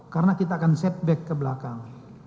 karena kita akan setback ke belakang